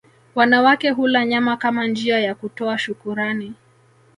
Wanawake hula nyama kama njia ya kutoa shukurani